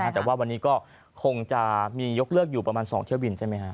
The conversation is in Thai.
แต่ว่าวันนี้ก็คงจะมียกเลิกอยู่ประมาณ๒เที่ยวบินใช่ไหมฮะ